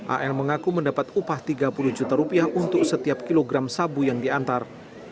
al mengaku mendapat upah tiga puluh juta rupiah untuk setiap kilogram sabu yang diantar